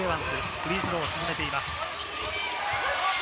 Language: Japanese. フリースローを沈めています。